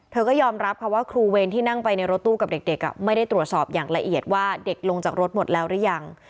ก็ยอมรับค่ะว่าครูเวรที่นั่งไปในรถตู้กับเด็กไม่ได้ตรวจสอบอย่างละเอียดว่าเด็กลงจากรถหมดแล้วหรือยัง